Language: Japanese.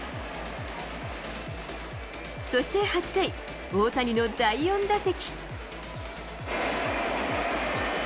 そして８回、大谷の第４打席。